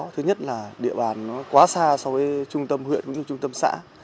thứ nhất là địa bàn nó quá xa so với trung tâm huyện cũng như trung tâm xã